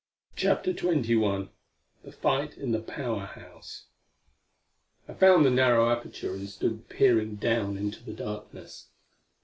CHAPTER XXI The Fight in the Power House I found the narrow aperture and stood peering down into darkness.